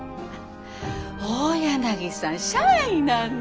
大柳さん